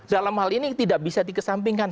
dalam hal ini tidak bisa dikesampingkan